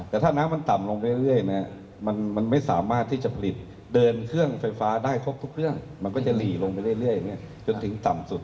แต่ถ้าน้ำมันต่ำลงเรื่อยมันไม่สามารถที่จะผลิตเดินเครื่องไฟฟ้าได้ครบทุกเรื่องมันก็จะหลีลงไปเรื่อยจนถึงต่ำสุด